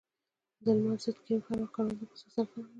د لمر ضد کریم هر وخت کارول د پوستکي د سرطان خطر کموي.